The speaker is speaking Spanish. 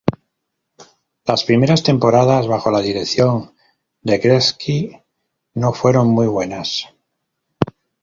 Las primeras temporadas bajo la dirección de Gretzky no fueron muy buenas.